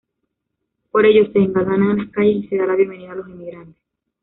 Por ello, se engalanan las calles y se da la bienvenida a los emigrantes.